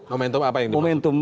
momentum apa yang dimaksud